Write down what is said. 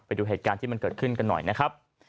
ไปดูเหตุการณ์ที่มันเกิดขึ้นกันหน่อยนะครับ